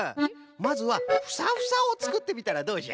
まずはフサフサをつくってみたらどうじゃ？